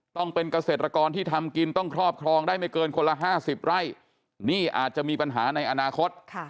ต้องเป็นเกษตรกรที่ทำกินต้องครอบครองได้ไม่เกินคนละ๕๐ไร่นี่อาจจะมีปัญหาในอนาคต